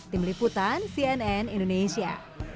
tim liputan cnn indonesia